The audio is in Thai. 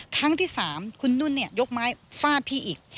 ครั้งที่๓คุณนุ่นยกไม้ฟาดพี่อีก